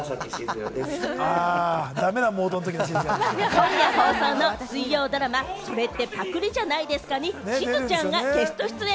今夜放送の水曜ドラマ『それってパクリじゃないですか？』に、しずちゃんがゲスト出演。